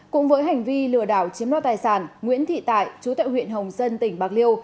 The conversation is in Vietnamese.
cùng với hành vi lừa đảo chiếm đoạt tài sản nguyễn thị tại chú tạo huyện hồng sân tỉnh bạc liêu